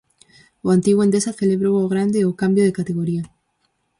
O antigo Endesa celebrou ao grande o cambio de categoría.